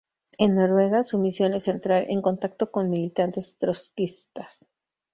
En Noruega su misión es entrar en contacto con militantes trotskistas.